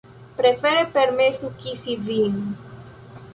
Prefere permesu kisi vin.